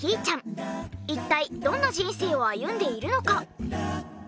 一体どんな人生を歩んでいるのか？